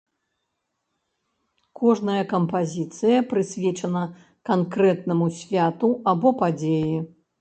Кожная кампазіцыя прысвечана канкрэтнаму святу або падзеі.